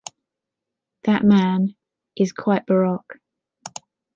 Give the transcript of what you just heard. That man, is quite baroque...